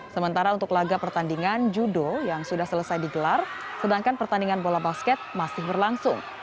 sementara untuk laga pertandingan judo yang sudah selesai digelar sedangkan pertandingan bola basket masih berlangsung